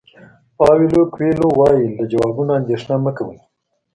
پاویلو کویلو وایي له ځوابونو اندېښنه مه کوئ.